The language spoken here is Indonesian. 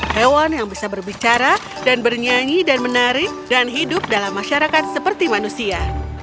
hewan yang bisa berbicara dan bernyanyi dan menarik dan hidup dalam masyarakat seperti manusia